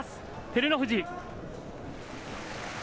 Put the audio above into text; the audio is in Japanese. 照ノ富士。